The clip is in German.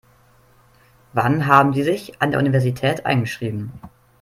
Wann haben Sie sich an der Universität eingeschrieben?